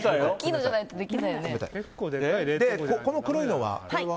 この黒いのは？